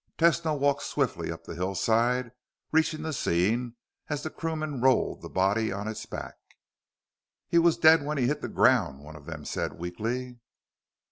Tesno walked swiftly up the hillside, reaching the scene as the crewmen rolled the body on its back. "He was dead when he hit the ground," one of them said weakly.